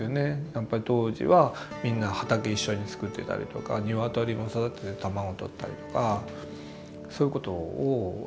やっぱり当時はみんな畑一緒に作ってたりとか鶏も育てて卵とったりとかそういうことをみんな施設としてはしてた。